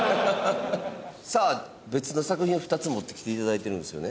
さあ別の作品を２つ持ってきて頂いてるんですよね？